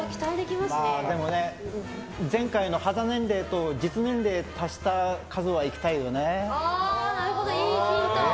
でも、前回の肌年齢と実年齢を足した数にはいきたいよね。